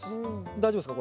大丈夫ですか？